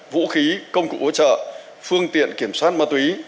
vũ khí công cụ ối trợ phương tiện kiểm soát ma túy